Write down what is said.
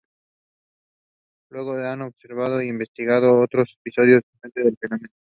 Luego se han observado e investigado otros episodios de este fenómeno.